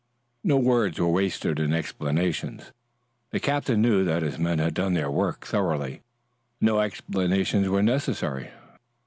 No words were wasted in explanations. The captain knew that his men had done their work thoroughly. No explanations were necessary.